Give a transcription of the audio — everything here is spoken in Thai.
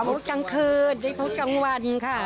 วันพุธจังคืนวันพุธจังวันค่ะ